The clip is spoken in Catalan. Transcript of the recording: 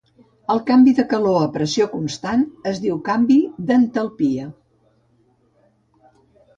El canvi de calor a pressió constant es diu canvi d'entalpia.